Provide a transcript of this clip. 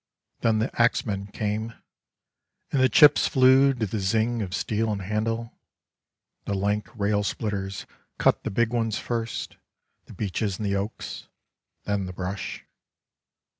Then the axmen came and the chips flew to the zing of steel and handle — the lank railsplitters cut the big ones first, the beeches and the oaks, then the brush.